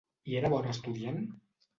I era bon estudiant?